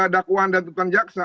dakuan dan tutan jaksa